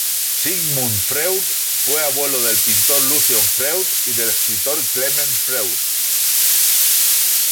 Sigmund Freud fue abuelo del pintor Lucian Freud y del escritor Clement Freud.